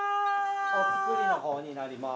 お造りの方になります。